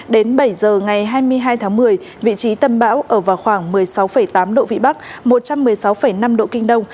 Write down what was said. đến bảy giờ ngày hai mươi hai tháng một mươi vị trí tâm bão ở vào khoảng một mươi sáu tám độ vĩ bắc một trăm một mươi sáu năm độ kinh đông